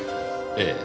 ええ。